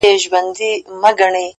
دا بېچاره به ښـايــي مــړ وي;